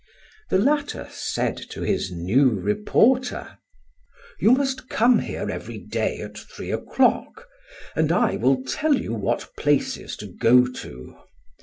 The latter said to his new reporter: "You must come here every day at three o'clock, and I will tell you what places to go to.